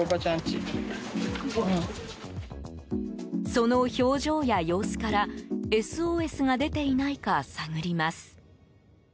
その表情や様子からＳＯＳが出ていないか探ります。